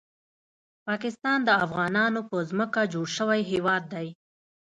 پاکستان د افغانانو په ځمکه جوړ شوی هیواد دی